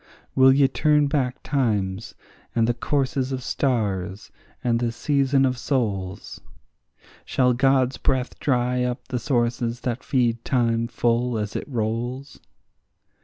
Will ye turn back times, and the courses of stars, and the season of souls? Shall God's breath dry up the sources that feed time full as it rolls?